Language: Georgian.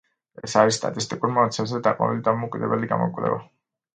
ეს არის სტატისტიკურ მონაცემებზე დაყრდნობილი დამოუკიდებელი გამოკვლევა.